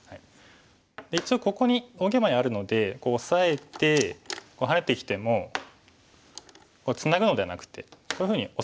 で一応ここに大ゲイマにあるのでオサえてハネてきてもツナぐのではなくてこういうふうにオサえることができますよね。